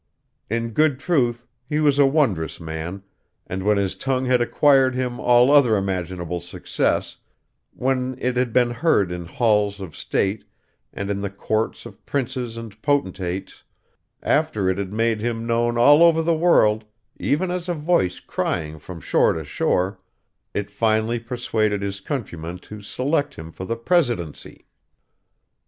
In good truth, he was a wondrous man; and when his tongue had acquired him all other imaginable success when it had been heard in halls of state, and in the courts of princes and potentates after it had made him known all over the world, even as a voice crying from shore to shore it finally persuaded his countrymen to select him for the Presidency.